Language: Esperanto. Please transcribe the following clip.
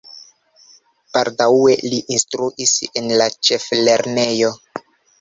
Baldaŭe li instruis en la ĉeflernejo.